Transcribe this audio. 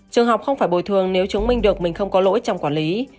trường học không phải bồi thường nếu chứng minh được mình không có lỗi trong quản lý